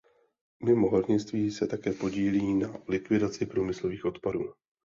Mimo hornictví se také podílí na likvidaci průmyslových odpadů.